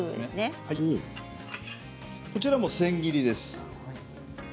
こちらも千切りです。